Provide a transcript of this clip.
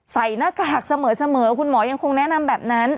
ใส่หน้ากากเสมอคุณหมอยังคงแนะนำแบบนั้น